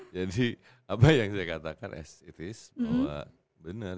jadi apa yang saya katakan as it is bahwa bener